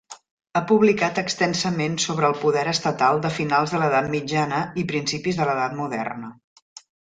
Ha publicat extensament sobre el poder estatal de finals de l'edat mitjana i principis de l'edat moderna.